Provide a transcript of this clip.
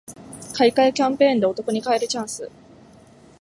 買い換えキャンペーンでお得に買えるチャンス